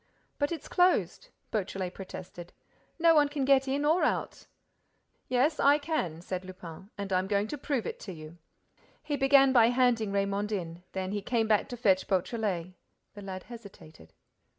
"But it's closed," Beautrelet protested. "No one can get in or out." "Yes, I can," said Lupin; "and I'm going to prove it to you." He began by handing Raymonde in. Then he came back to fetch Beautrelet. The lad hesitated.